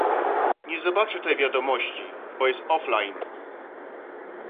Nie zobaczy tej wiadomości, bo jest offline.